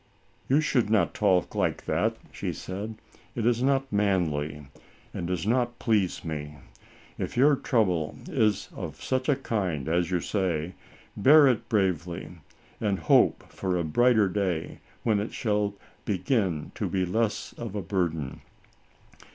"You should not talk like that," she said. " It is not manly, and does not please' me. If your trouble is of such a kind, as you say, bear it bravely, and hope for a brighter day, when it shall begin to be less of a burden.